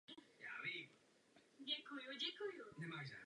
Ve své práci klade velký důraz na kvalitu.